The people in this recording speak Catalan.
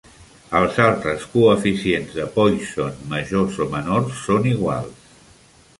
Els altres coeficients de Poisson majors o menor són iguals.